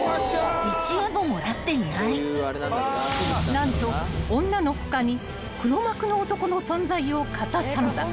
［何と女の他に黒幕の男の存在を語ったのだ］